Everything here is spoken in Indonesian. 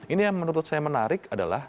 ini yang menurut saya menarik adalah